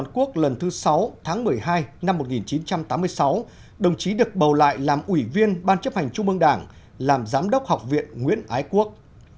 năm một nghìn chín trăm tám mươi sáu đồng chí được bầu lại làm ủy viên ban chấp hành trung mương đảng làm giám đốc học viện nguyễn ái quốc